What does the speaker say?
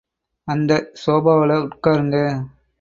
அந்தச் சேபாவுல உட்காருங்க.